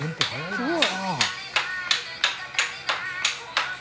すごい！